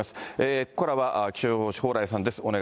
ここからは気象予報士、蓬莱さんです。